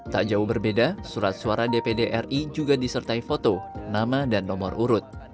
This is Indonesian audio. tak jauh berbeda surat suara dpd ri juga disertai foto nama dan nomor urut